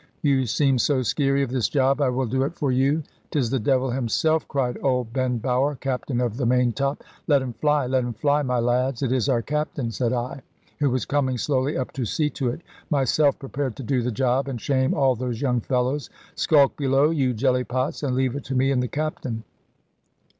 You seem so skeery of this job, I will do it for you." "'Tis the devil himself!" cried old Ben Bower, captain of the main top; "let him fly, let him fly, my lads!" "It is our Captain," said I, who was coming slowly up to see to it, myself prepared to do the job, and shame all those young fellows; "skulk below, you jelly pots, and leave it to me and the Captain."